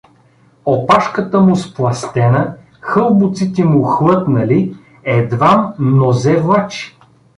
Опашката му сплъстена, хълбоците му хлътнали, едвам нозе влачи.